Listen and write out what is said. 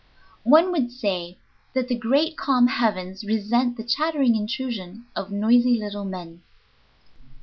One would say that the great, calm heavens resent the chattering intrusion of noisy little men.